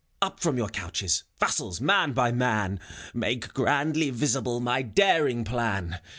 Up from your couches, vassals, man by man I Make grandly visible my daring plan